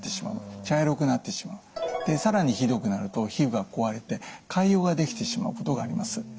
更にひどくなると皮膚が壊れて潰瘍が出来てしまうことがあります。